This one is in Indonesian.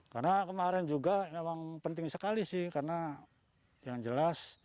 karena kemarin juga memang penting sekali sih karena yang jelas